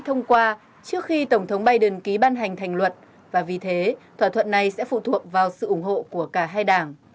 thông qua trước khi tổng thống biden ký ban hành thành luật và vì thế thỏa thuận này sẽ phụ thuộc vào sự ủng hộ của cả hai đảng